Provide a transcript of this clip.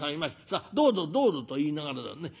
さあどうぞどうぞ』と言いながらだね